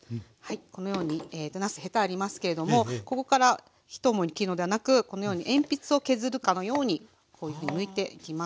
このようになすヘタありますけれどもここから一思いに切るのではなくこのように鉛筆を削るかのようにこういうふうにむいていきます。